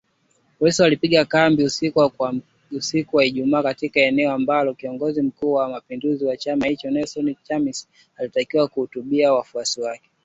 Polisi walipiga kambi usiku wa Ijumaa katika eneo ambako kiongozi mkuu wa upinzani wa chama hicho, Nelson Chamisa, alitakiwa kuhutubia wafuasi wake